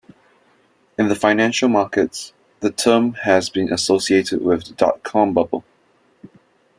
In the financial markets, the term has been associated with the Dot-com bubble.